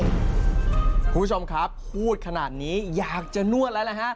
คุณผู้ชมครับพูดขนาดนี้อยากจะนวดแล้วนะฮะ